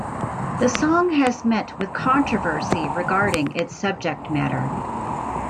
The song has met with controversy regarding its subject matter.